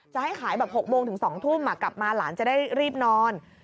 จะให้ขายแบบ๖โมงถึง๒ทุ่มกลับมาหลานจะได้รีบนอน